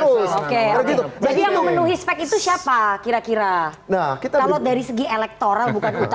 terus oke jadi yang memenuhi spek itu siapa kira kira kalau dari segi elektoral bukan utama